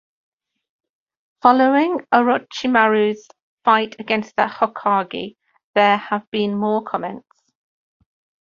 Following Orochimaru's fight against the Hokage there have been more comments.